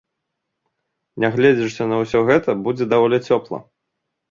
Нягледзячы на ўсё гэта, будзе даволі цёпла.